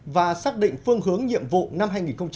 và xác định phương hướng nhiệm vụ năm hai nghìn một mươi tám